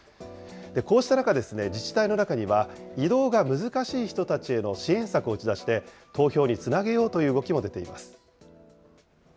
こうした中、自治体の中には、移動が難しい人たちへの支援策を打ち出して、投票につなげようという動きも出ています。